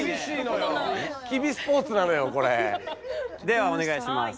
ではお願いします。